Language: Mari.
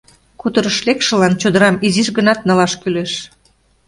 Куторыш лекшылан чодырам изиш гынат налаш кӱлеш.